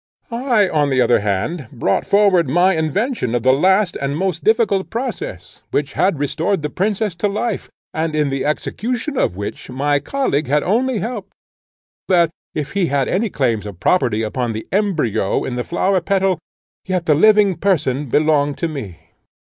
I, on the other hand, brought forward my invention of the last and most difficult process, which had restored the princess to life, and in the execution of which my colleague had only helped; so that, if he had any claims of propriety upon the embryo in the flower petal, yet the living person belonged to me.